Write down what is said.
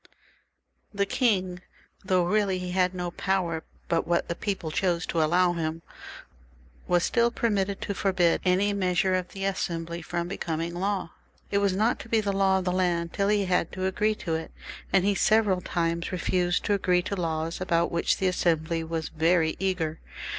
The king, though really he had no power but what the people chose to allow him, was still allowed to forbid any measure of the Assembly from becoming law ; it was not to be the law of the land till he had agreed to it, and he several times refused to agree to laws about which tha Assembly was very eager.